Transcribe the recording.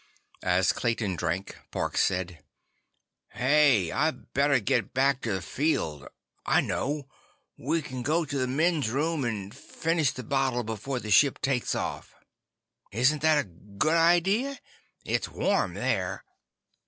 As Clayton drank, Parks said: "Hey! I better get back to the field! I know! We can go to the men's room and finish the bottle before the ship takes off! Isn't that a good idea? It's warm there."